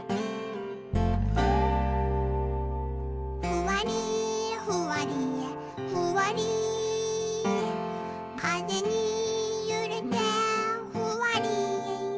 「ふわりふわりふわりかぜにゆれてふわり」